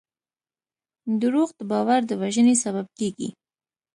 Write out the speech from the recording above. دروغ د باور د وژنې سبب کېږي.